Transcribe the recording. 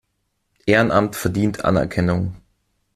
Ehrenamt verdient Anerkennung.